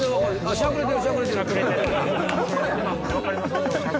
しゃくれてる。